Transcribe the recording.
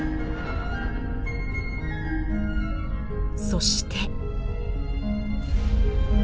そして。